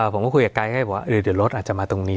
ผมก็คุยกับไกด์ให้บอกว่าเดี๋ยวรถอาจจะมาตรงนี้